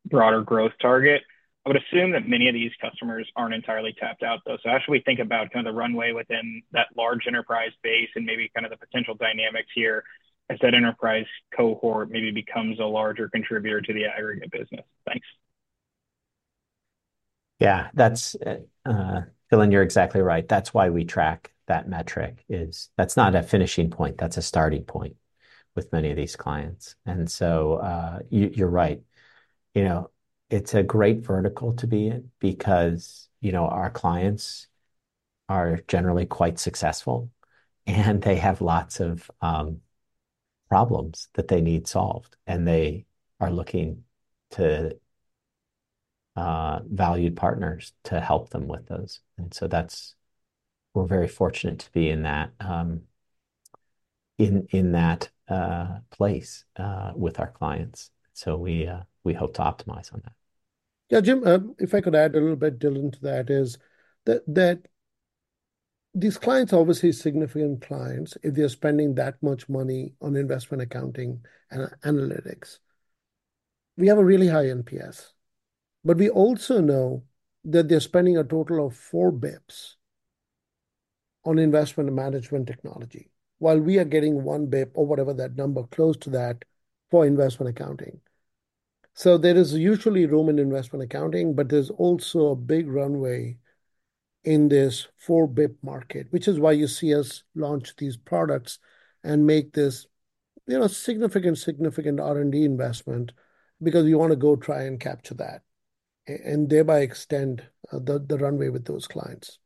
broader growth target, I would assume that many of these customers aren't entirely tapped out, though. So as we think about kind of the runway within that large enterprise base and maybe kind of the potential dynamics here, as that enterprise cohort maybe becomes a larger contributor to the aggregate business. Thanks.... Yeah, that's, Dylan, you're exactly right. That's why we track that metric, is that's not a finishing point, that's a starting point with many of these clients. And so, you, you're right. You know, it's a great vertical to be in because, you know, our clients are generally quite successful, and they have lots of, problems that they need solved, and they are looking to, valued partners to help them with those. And so that's. We're very fortunate to be in that, in that place with our clients. So we, we hope to optimize on that. Yeah, Jim, if I could add a little bit, Dylan, to that, these clients are obviously significant clients if they're spending that much money on investment accounting and analytics. We have a really high NPS, but we also know that they're spending a total of 4 bips on investment management technology, while we are getting 1 bip or whatever that number close to that for investment accounting. So there is usually room in investment accounting, but there's also a big runway in this 4-bip market, which is why you see us launch these products and make this, you know, significant, significant R&D investment, because you want to go try and capture that and thereby extend the runway with those clients.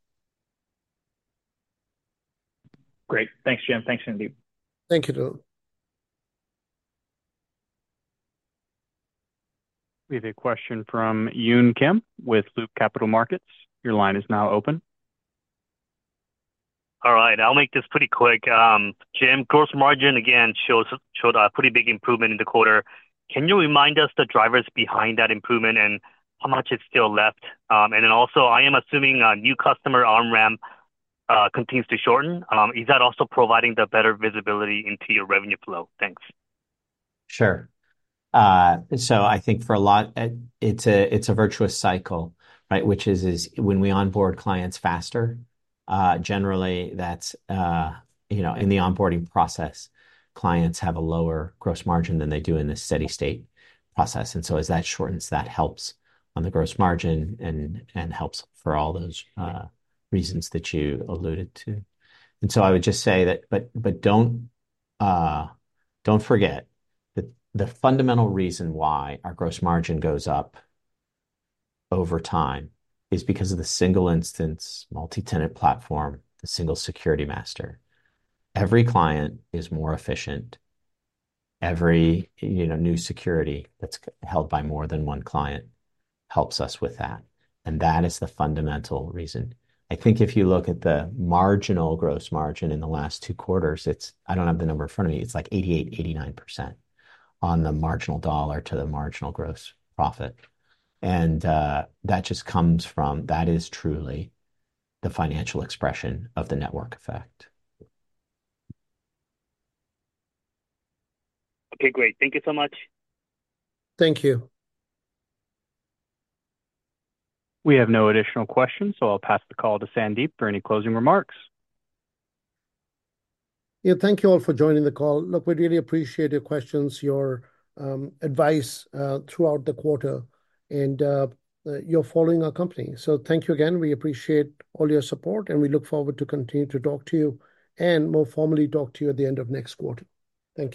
Great. Thanks, Jim. Thanks, Sandeep. Thank you, Dylan. We have a question from Yun Kim with Loop Capital Markets. Your line is now open. All right, I'll make this pretty quick. Jim, gross margin again showed a pretty big improvement in the quarter. Can you remind us the drivers behind that improvement and how much is still left? And then also, I am assuming new customer on-ramp continues to shorten. Is that also providing the better visibility into your revenue flow? Thanks. Sure. So I think for a lot, it's a virtuous cycle, right? Which is when we onboard clients faster, generally, that's you know, in the onboarding process, clients have a lower gross margin than they do in the steady state process. And so as that shortens, that helps on the gross margin and helps for all those reasons that you alluded to. And so I would just say that. But don't forget that the fundamental reason why our gross margin goes up over time is because of the single instance, multi-tenant platform, the Single Security Master. Every client is more efficient. Every you know, new security that's held by more than one client helps us with that, and that is the fundamental reason. I think if you look at the marginal gross margin in the last two quarters, it's, I don't have the number in front of me, it's like 88%-89% on the marginal dollar to the marginal gross profit. And, that just comes from, that is truly the financial expression of the network effect. Okay, great. Thank you so much. Thank you. We have no additional questions, so I'll pass the call to Sandeep for any closing remarks. Yeah, thank you all for joining the call. Look, we really appreciate your questions, your advice throughout the quarter, and your following our company. So thank you again. We appreciate all your support, and we look forward to continue to talk to you, and more formally talk to you at the end of next quarter. Thank you.